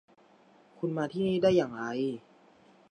คุณมาที่นี่ได้อย่างไร ?